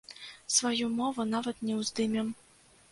Сваю мову нават не ўздымем.